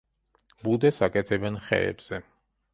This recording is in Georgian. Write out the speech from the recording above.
ბუდეს აკეთებენ ხეებზე.